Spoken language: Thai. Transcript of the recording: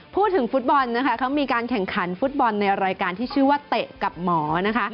พูดถึงฟุตบอลนะคะเขามีการแข่งขันฟุตบอลในรายการที่ชื่อว่าเตะกับหมอนะคะ